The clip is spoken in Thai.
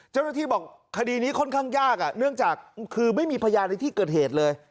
เจ้าหน้าที่บอกคดีนี้ค่อนข้างยากเนื่องจากคือไม่มีพยานในที่เกิดเหตุเลย